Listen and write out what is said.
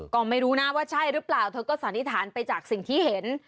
ก็ไม่รู้นะว่าใช่หรือเปล่าเธอก็สันนิษฐานไปจากสิ่งที่เห็น